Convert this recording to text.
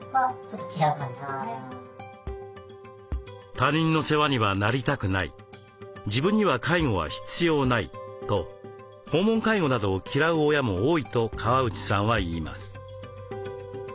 「他人の世話にはなりたくない」「自分には介護は必要ない」と訪問介護などを嫌う親も多いと川内さんは言います。